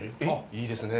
いい質問ですね。